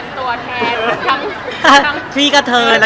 ยังติวนี้มันนนใจที่กันเลยนะ